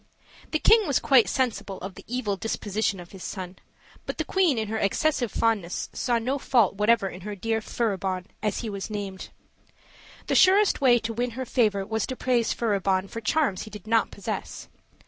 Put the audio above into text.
The king was quite sensible of the evil disposition of his son, but the queen in her excessive fondness saw no fault whatever in her dear Furibon, as he was named. The surest way to win her favor was to praise Furibon for charms he did not possess.